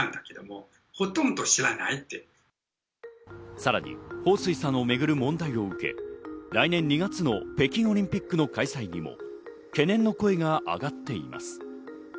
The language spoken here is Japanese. さらにホウ・スイさんをめぐる問題を受け、来年２月の北京オリンピックの開催にも懸念の声が上がっています。